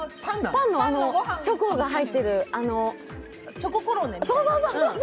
パンのチョコが入ってる、チョココロネ？